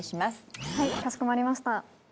はいかしこまりました。